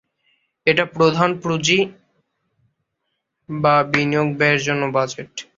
এটা প্রধান পুঁজি, বা বিনিয়োগ, ব্যয়ের জন্য বাজেট।